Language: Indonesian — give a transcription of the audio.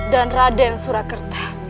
dan raden surakerta